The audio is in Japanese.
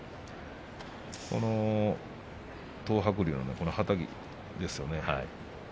この東白龍のはたきですよね。